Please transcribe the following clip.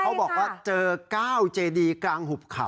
เขาบอกว่าเจอก้าวเจดีกลางหุบเขา